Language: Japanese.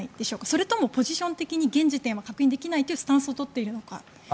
それともポジション的に現時点では確認できないというスタンスを取っているのか。